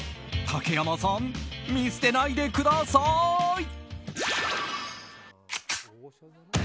竹山さん見捨てないでください！